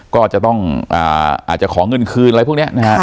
ก็จะต้องอาจจะขอเงินคืนอะไรพวกนี้นะฮะ